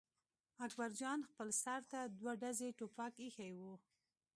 اکبر جان خپل سر ته دوه ډزي ټوپک اېښی و.